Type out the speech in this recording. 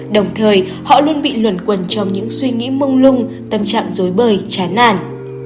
đồng thời họ luôn bị luẩn quần trong những suy nghĩ mông lung tâm trạng dối bời chán nàn